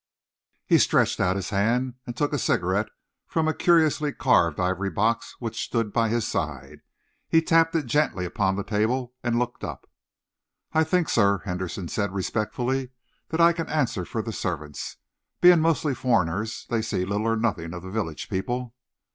He stretched out his hand and took a cigarette from a curiously carved ivory box which stood by his side. He tapped it gently upon the table and looked up. "I think, sir," Henderson said respectfully, "that I can answer for the servants. Being mostly foreigners, they see little or nothing of the village people."